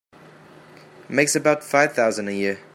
Makes about five thousand a year.